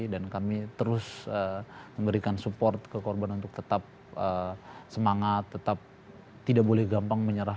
dan kami terus memberikan support ke korban untuk tetap semangat tetap tidak boleh gampang menyerah